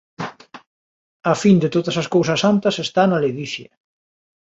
A fin de todas as cousas santas está na ledicia.